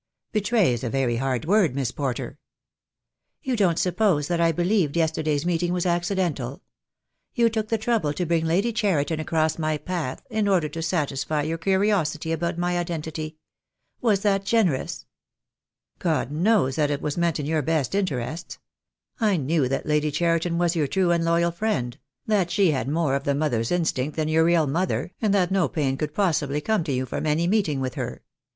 "Betray is a very hard word, Miss Porter." "You don't suppose that I believed yesterday's meet ing was accidental? You took the trouble to bring Lady Cheriton across my path in order to satisfy your curiosity about my identity. "Was that generous?" 10* I48 THE DAY WILL COME. " God knows that it was meant in your best interests. I knew that Lady Cheriton was your true and loyal friend — that she had more of the mother's instinct than your real mother, and that no pain could possibly come to you from any meeting with her.